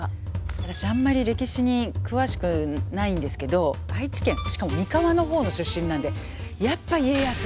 私あんまり歴史に詳しくないんですけど愛知県しかも三河の方の出身なんでやっぱり家康松潤！